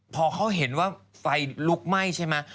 พอเขาเห็นว่าไฟลุกไหม้ใช่ไหม